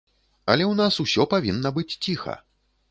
Але ў нас усё павінна быць ціха.